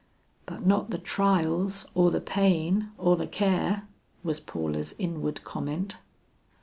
"But not the trials, or the pain, or the care?" was Paula's inward comment.